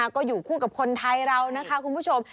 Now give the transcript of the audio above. ก็อยู่คู่กับคนไทยเรานะคะคุณผู้ชม